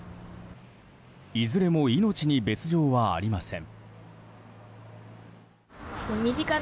いずれも命に別条はありません。